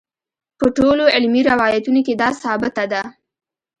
په ټولو علمي روایتونو کې دا ثابته ده.